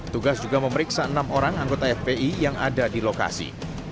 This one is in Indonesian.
tugas juga memeriksa enam orang anggota fpi yang ada di lokasi